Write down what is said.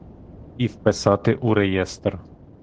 І вписати у реєстр.